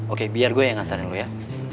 oke biar gue yang nganterin lu ya